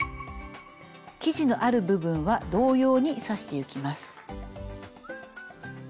生地のある部分は同様に刺していきます。